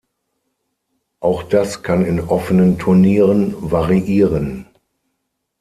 Auch das kann in offenen Turnieren variieren.